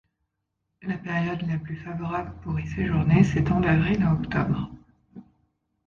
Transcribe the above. La période la plus favorable pour y séjourner s'étend d'avril à octobre.